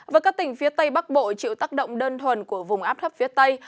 với các tỉnh phía tây bắc bộ chịu tác động đơn thuần của vùng áp thấp phía tây